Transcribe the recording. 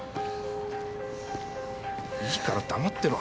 いいから黙ってろ。